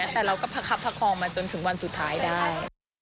แต่เราก็ประคับประคองมาจนถึงวันสุดท้ายได้